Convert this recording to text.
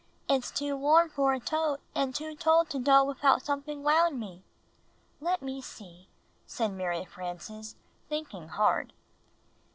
''It's too warm for a toat, and too told to doe wifout somet'ing wound me." "Let me see," said Mary Frances, thinking hard.